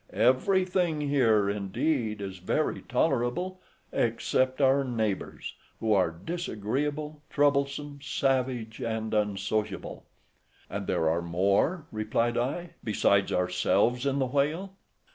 Everything here, indeed, is very tolerable, except our neighbours, who are disagreeable, troublesome, savage, and unsociable." "And are there more," replied I, "besides ourselves in the whale?"